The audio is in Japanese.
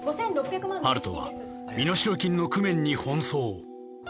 温人は身代金の工面に奔走